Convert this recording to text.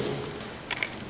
saya sangat menghormati